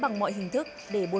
bảo hành ở đâu